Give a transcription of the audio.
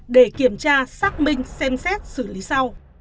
để kiểm tra xác minh xem xét xử lý sau